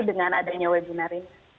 dan adanya webinar ini